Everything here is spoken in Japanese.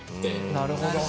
なるほど。